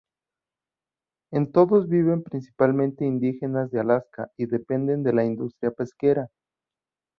En todos viven principalmente indígenas de Alaska y dependen de la industria pesquera.